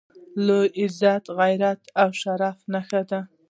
• لور د عزت، غیرت او شرافت نښه ده.